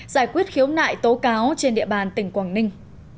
giải quyết khiếu nại tố cáo trên địa bàn tỉnh quảng ninh